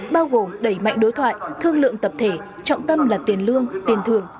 bao gồm đẩy mạnh đối thoại thương lượng tập thể trọng tâm là tiền lương tiền thưởng